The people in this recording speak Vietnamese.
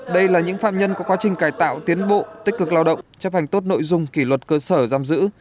đây là những phạm nhân có quá trình cài tạo tiến bộ tích cực lao động chấp hành tốt nội dung kỷ luật cơ sở giam giữ